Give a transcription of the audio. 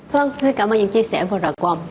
vâng xin cảm ơn những chia sẻ vừa rồi